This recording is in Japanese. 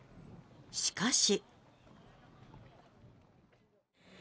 しかし。